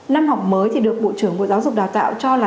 năm học mới thì được bộ trưởng bộ giáo dục đào tạo cho là